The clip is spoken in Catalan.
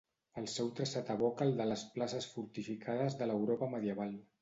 El seu traçat evoca el de les places fortificades de l'Europa medieval.